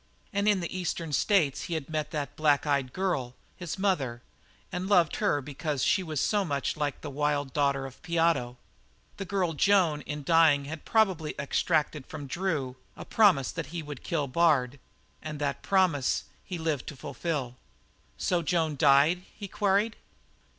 And in the Eastern states he had met that black eyed girl, his mother, and loved her because she was so much like the wild daughter of Piotto. The girl Joan in dying had probably extracted from Drew a promise that he would kill Bard, and that promise he had lived to fulfil. "So Joan died?" he queried.